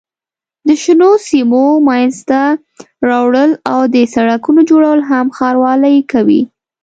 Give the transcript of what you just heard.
د شنو سیمو منځته راوړل او د سړکونو جوړول هم ښاروالۍ کوي.